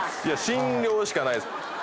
信用しかないです。